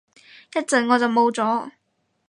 一陣我就冇咗